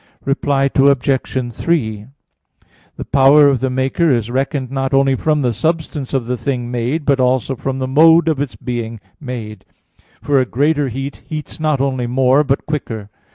Reply Obj. 3: The power of the maker is reckoned not only from the substance of the thing made, but also from the mode of its being made; for a greater heat heats not only more, but quicker.